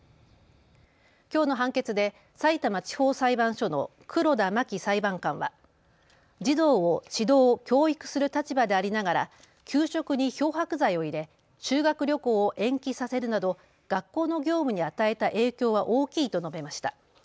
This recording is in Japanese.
きょうの判決でさいたま地方裁判所の黒田真紀裁判官は児童を指導・教育する立場でありながら給食に漂白剤を入れ修学旅行を延期させるなど学校の業務に与えた影響は大きいと述べました。